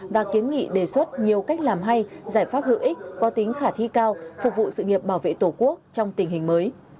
và kiến nghị đề xuất nhiều cách làm hay giải pháp hữu ích có tính khả thi cao phục vụ sự nghiệp bảo vệ tổ quốc trong tình hình mới